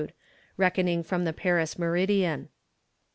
reckoning from the Paris meridian.